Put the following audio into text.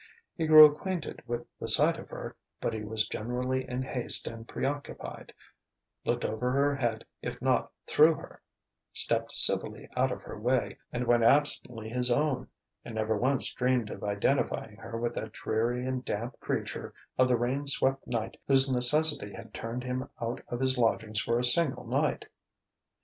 He grew acquainted with the sight of her, but he was generally in haste and preoccupied, looked over her head if not through her, stepped civilly out of her way and went absently his own, and never once dreamed of identifying her with that dreary and damp creature of the rain swept night whose necessity had turned him out of his lodgings for a single night.